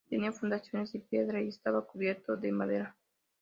Tenía fundaciones de piedra y estaba cubierto de madera.